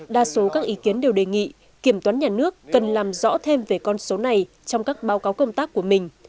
đa số các ý kiến đều đề nghị kiểm toán nhà nước cần làm rõ thêm về con số này trong các báo cáo công tác của mình